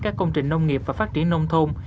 các công trình nông nghiệp và phát triển nông thôn